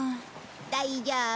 大丈夫。